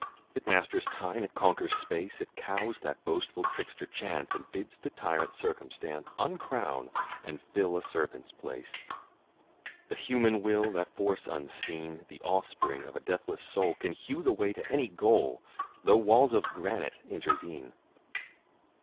It masters time, it conquers space, It cowes that boastful trickster Chance, And bids the tyrant Circumstance Uncrown and fill a servant's place. The human Will, that force unseen, The offspring of a deathless Soul, Can hew the way to any goal, Though walls of granite intervene.